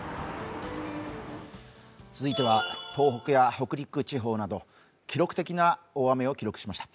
続いては東北や北陸地方など記録的な大雨を記録しました。